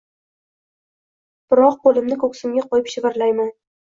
Biroq qo’limni ko’ksimga qo’yib shivirlayman